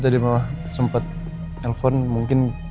tadi mama sempat telpon mungkin